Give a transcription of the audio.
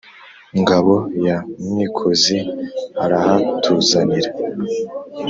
ngabo ya mwikozi arahatuzanira.